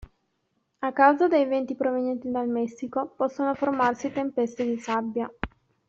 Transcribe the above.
A causa dei venti provenienti dal Messico, possono formarsi tempeste di sabbia.